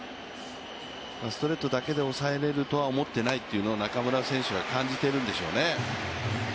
ストレートだけで抑えるとは思っていないというのを中村選手は感じているんでしょうね。